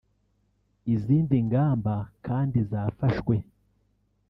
Izindi ngamba kandi zafashwe